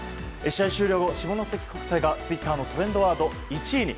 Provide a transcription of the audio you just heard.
試合終了後、下関国際がツイッターのトレンドワード１位に。